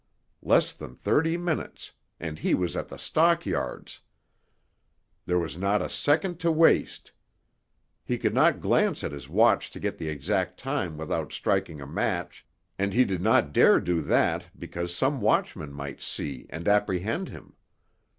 Less than thirty minutes—and he was at the stockyards. There was not a second to waste. He could not glance at his watch to get the exact time without striking a match, and he did not dare do that because some watchman might see and apprehend him.